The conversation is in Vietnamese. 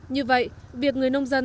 như vậy việc người nông dân